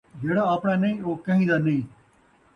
جیڑھا آپݨا نئیں، او کہیں دا نئیں